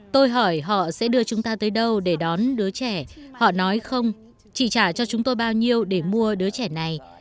tôi hỏi họ sẽ đưa chúng ta tới đâu để đón đứa trẻ họ nói không chỉ trả cho chúng tôi bao nhiêu để mua đứa trẻ này